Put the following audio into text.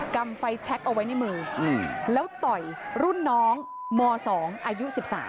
กลับไฟชัคออกไว้ในมือแล้วต่อยรุ่นน้องหมอ๒อายุ๑๓